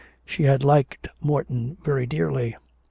She had liked Morton very dearly.